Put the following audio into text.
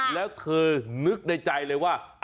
แล้วเธอนึกในใจเลยว่า